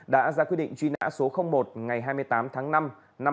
đã ra quyết định truy nã số một ngày hai mươi tám tháng năm năm hai nghìn một mươi ba